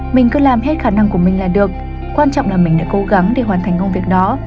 mình cứ làm hết khả năng của mình là được quan trọng là mình đã cố gắng để hoàn thành công việc đó